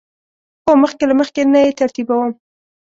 هو، مخکې له مخکی نه یی ترتیبوم